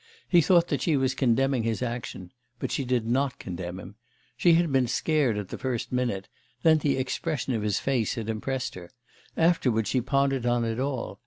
He thought that she was condemning his action; but she did not condemn him. She had been scared at the first minute; then the expression of his face had impressed her; afterwards she pondered on it all.